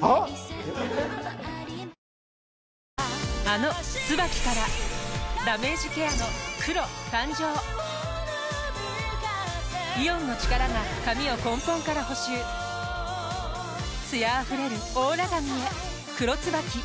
あの「ＴＳＵＢＡＫＩ」からダメージケアの黒誕生イオンの力が髪を根本から補修艶あふれるオーラ髪へ「黒ＴＳＵＢＡＫＩ」